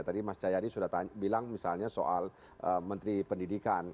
tadi mas jayadi sudah bilang misalnya soal menteri pendidikan